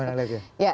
saya tidak menolak